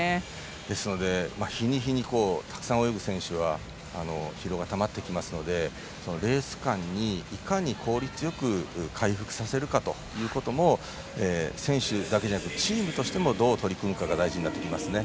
ですので日に日にたくさん泳ぐ選手は疲労がたまってきますのでレース間に、いかに効率よく回復させるかということも選手だけじゃなくてチームとしてもどう取り組むかが大事になってきますね。